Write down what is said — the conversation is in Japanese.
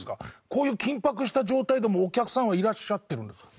こういう緊迫した状態でもお客さんはいらっしゃってるんですか？